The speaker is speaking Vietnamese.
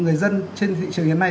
người dân trên thị trường hiện nay